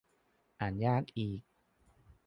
อ่านยากอีก